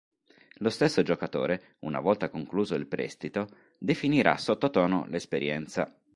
Lo stesso giocatore, una volta concluso il prestito, definirà sottotono l'esperienza.